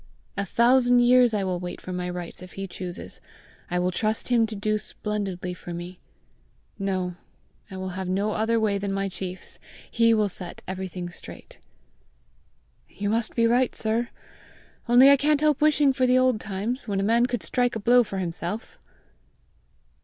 A thousand years I will wait for my rights if he chooses. I will trust him to do splendidly for me. No; I will have no other way than my chief's! He will set everything straight!" "You must be right, sir! only I can't help wishing for the old times, when a man could strike a blow for himself!"